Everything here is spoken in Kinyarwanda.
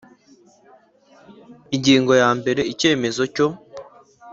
Ingingo ya mbere Icyemezo cyo